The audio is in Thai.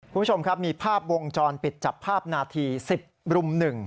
คุณผู้ชมครับมีภาพวงจรปิดจับภาพนาที๑๐รุ่ม๑